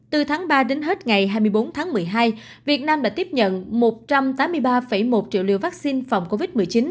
từ tháng ba đến hết ngày hai mươi bốn tháng một mươi hai việt nam đã tiếp nhận một trăm tám mươi ba một triệu liều vaccine phòng covid một mươi chín